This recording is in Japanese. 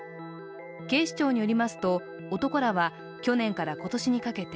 警視庁によりますと男らは去年から今年にかけて